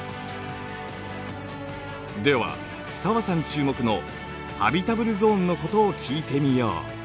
では紗和さん注目のハビタブルゾーンのことを聞いてみよう。